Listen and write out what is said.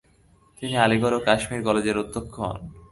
তিনি আলিগড় ও কাশ্মীর কলেজের অধ্যক্ষ হন।